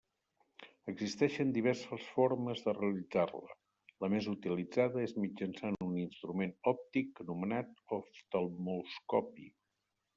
Existeixen diverses formes de realitzar-la: la més utilitzada és mitjançant un instrument òptic anomenat oftalmoscopi.